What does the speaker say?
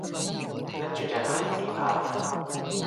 拎住隻鞋自拍